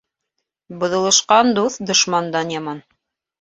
Боҙолошҡан дуҫ дошмандан яман.